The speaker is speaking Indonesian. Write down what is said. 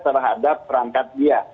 terhadap perangkat dia